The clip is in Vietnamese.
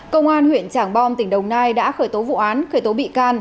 công an huyện trảng bom tỉnh đồng nai đã khởi tố vụ án khởi tố bị can